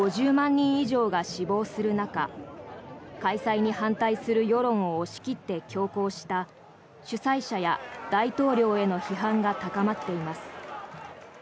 人以上が死亡する中開催に反対する世論を押し切って強行した主催者や大統領への批判が高まっています。